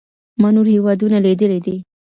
ما نور هیوادونه لیدلي دي.